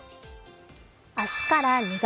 明日から２月。